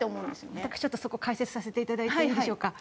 私ちょっとそこ解説させていただいていいでしょうか？